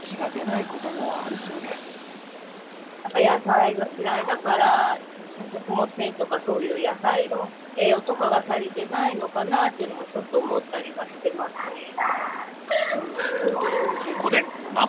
野菜が嫌いだから食物繊維とかそういう野菜の栄養とかが足りてないのかなというのもちょっと思ったりはしてますね。